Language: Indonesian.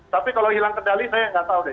tapi kalau hilang kendali saya nggak tahu deh